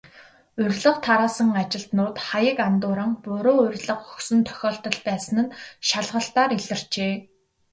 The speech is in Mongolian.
Урилга тараасан ажилтнууд хаяг андууран, буруу урилга өгсөн тохиолдол байсан нь шалгалтаар илэрчээ.